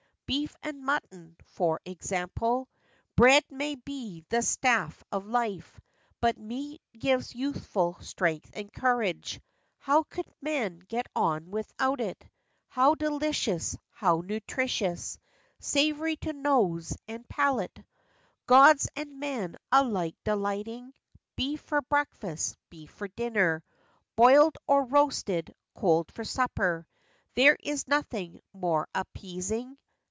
Beef and mutton, for example. Bread may be the ' staff' of life, but Meat gives youthful strength and courage ; How could men get on without it ? How delicious, how nutritious, Savory to nose and palate, Gods and men alike delighting; Beef for breakfast, beef for dinner; Broiled or roasted, cold for supper, There is nothing more appeasing.